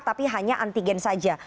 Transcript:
tapi hanya antigen saja